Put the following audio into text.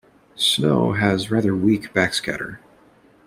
Snow has rather weak backscatter.